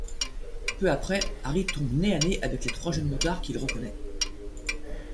Peu après, Harry tombe nez à nez avec les trois jeunes motards qu'il reconnait.